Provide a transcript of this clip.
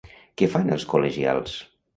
Què fan els col·legials?